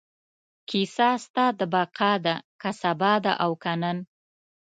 کیسه ستا د بقا ده، که سبا ده او که نن